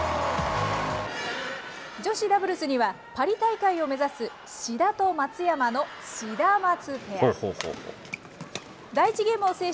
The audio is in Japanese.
女子ダブルスにはパリ大会を目指す志田と松山のシダマツペア。